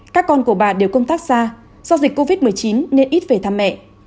các con của bà đều công tác xa do dịch covid một mươi chín nên ít về thăm mẹ